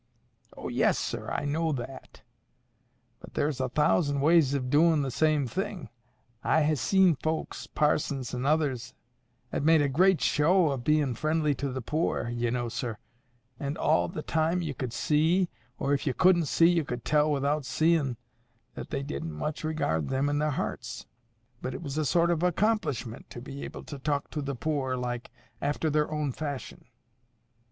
"Oh yes, sir, I know that. But there's a thousand ways ov doin' the same thing. I ha' seen folks, parsons and others, 'at made a great show ov bein' friendly to the poor, ye know, sir; and all the time you could see, or if you couldn't see you could tell without seein', that they didn't much regard them in their hearts; but it was a sort of accomplishment to be able to talk to the poor, like, after their own fashion.